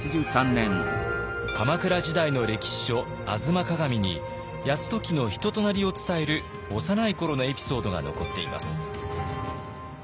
鎌倉時代の歴史書「吾妻鏡」に泰時の人となりを伝える幼い頃のエピソードが残っています。